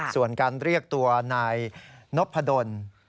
ส่วนการเรียกตัวนายนพดล